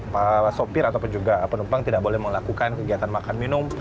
para sopir ataupun juga penumpang tidak boleh melakukan kegiatan makan minum